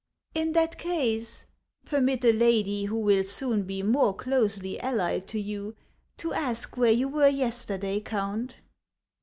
" In that case, permit a lady who will soon be more closely allied to you, to ask where you were yesterday, Count